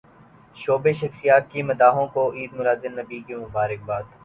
showbiz شخصیات کی مداحوں کو عید میلاد النبی کی مبارکباد